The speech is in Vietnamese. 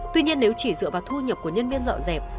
tuy nhiên nếu chỉ dựa vào thu nhập của nhân viên dọn dẹp